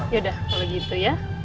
yaudah kalau gitu ya